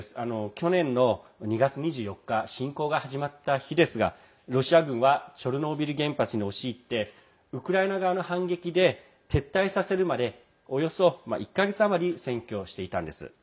去年の２月２４日侵攻が始まった日ですがロシア軍はチョルノービリ原発に押し入ってウクライナ側の反撃で撤退させるまでおよそ１か月余り占拠していたんです。